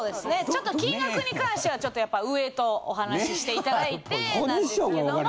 ちょっと金額に関してはちょっとやっぱ上とお話しして頂いてなんですけども。